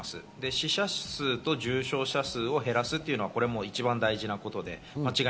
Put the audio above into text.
死者数と重症者数を減らすというのは一番大事なことです。